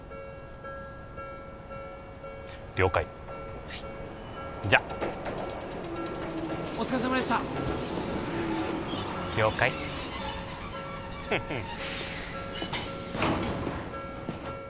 了解はいじゃあお疲れさまでした了解フフン